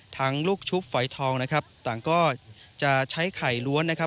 ลูกชุบฝอยทองนะครับต่างก็จะใช้ไข่ล้วนนะครับ